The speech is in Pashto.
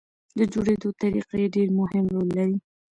د جوړېدو طریقه یې ډېر مهم رول لري.